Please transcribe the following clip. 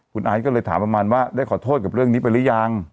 คุณไอซ์ก็เลยถามประมาณว่าได้ขอโทษกับเรื่องนี้ไปหรือยัง